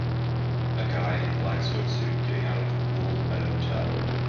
A guy in a black swimsuit getting out of the pool at a hotel.